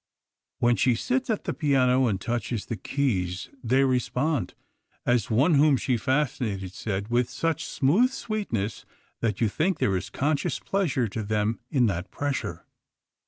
When she sits at the piano and touches the keys, they respond, as one whom she fascinated said, with such smooth sweetness that you think there is conscious pleasure to them in that pressure.